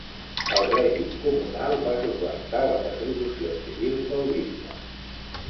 El règim comunal va suplantar les atribucions civils del bisbe.